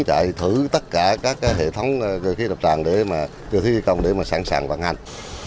chạy thử tất cả các hệ thống cơ khí đập tràn để mà cơ khí thi công để mà sẵn sàng vận hành